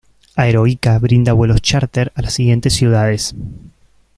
Aero Ica brinda vuelos chárter a las siguientes ciudades.